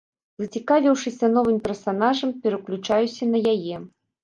Зацікавіўшыся новым персанажам, пераключаюся на яе.